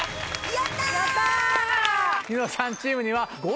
やった！